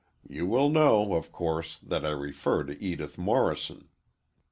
You will know, of course, that I refer to Edith Morrison.